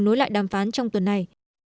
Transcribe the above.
nối lại đàm phán trong tuần này